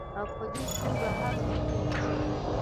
او په دې توګه هرڅه پیل شول